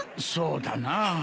そうだな。